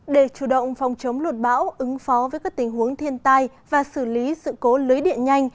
để chủ động phòng chống lụt bão ứng phó với các tình huống thiên tai và xử lý sự cố lưới điện nhanh